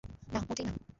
না মোটেই না।